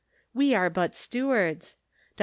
We are but stewards. Dr.